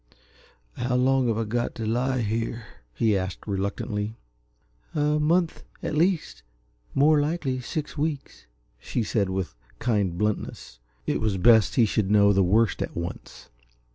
"How long have I got to lie here?" he asked, reluctantly. "A month, at the least more likely six weeks," she said with kind bluntness. It was best he should know the worst at once.